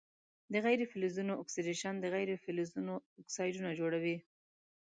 د غیر فلزونو اکسیدیشن د غیر فلزونو اکسایدونه جوړوي.